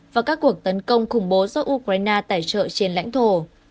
và các cuộc tấn công khủng bố do ukraine tài trợ trên lãnh thổ